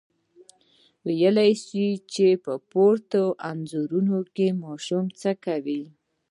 ویلای شئ چې په پورتنیو انځورونو کې ماشومان څه کوي؟